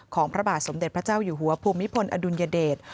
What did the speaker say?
พระบาทสมเด็จพระเจ้าอยู่หัวภูมิพลอดุลยเดช